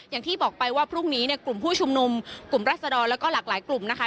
อย่างที่บอกไปว่าพรุ่งนี้เนี่ยกลุ่มผู้ชุมนุมกลุ่มรัศดรแล้วก็หลากหลายกลุ่มนะคะ